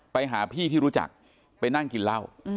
ไปหาพี่ที่รู้จักไปนั่งกินเหล้า